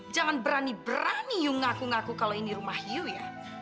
jangan berani berani yuk ngaku ngaku kalau ini rumah hiu ya